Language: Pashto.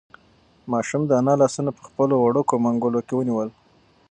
ماشوم د انا لاسونه په خپلو وړوکو منگولو کې ونیول.